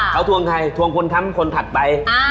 เขาทวงใครทวงคนทำคนถัดไป